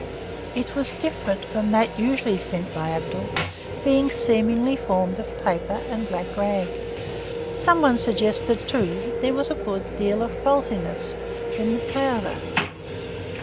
It was different from that usually sent by Abdul, being seemingly formed of paper and black rag; someone suggested, too, that there was a good deal of faultiness in the powder.